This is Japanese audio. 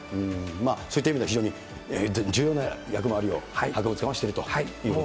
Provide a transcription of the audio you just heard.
そういった意味では非常に重要な役割を博物館はしてるということ